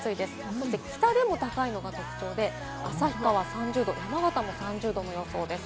そして北でも高いのが特徴で、旭川３０度、山形も３０度の予想です。